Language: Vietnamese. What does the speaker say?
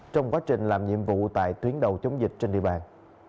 trong quá trình làm nhiệm vụ tại tuyến đầu chống dịch trên địa bàn